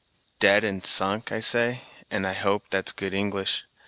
"Dead and sunk, I say, and I hope that's good English.